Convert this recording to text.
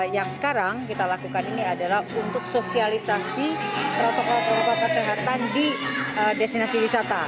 yang sekarang kita lakukan ini adalah untuk sosialisasi protokol protokol kesehatan di destinasi wisata